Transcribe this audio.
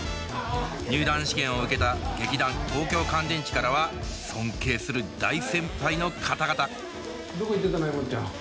入団試験を受けた劇団東京乾電池からは尊敬する大先輩の方々どこ行ってたのえもっちゃん。